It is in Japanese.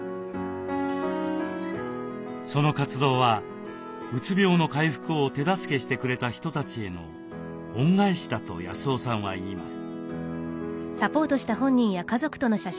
その活動はうつ病の回復を手助けしてくれた人たちへの恩返しだと康雄さんは言います。